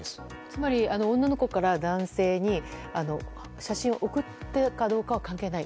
つまり、女の子から男性に写真を送ったかどうかは関係ない。